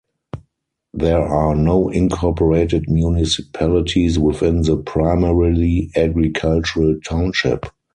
There are no incorporated municipalities within the primarily agricultural township.